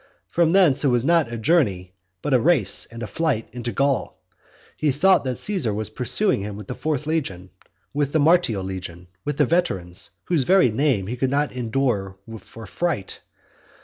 From thence it was not a journey, but a race and flight into Gaul. He thought that Caesar was pursuing him with the fourth legion, with the martial legion, with the veterans, whose very name he could not endure for fright.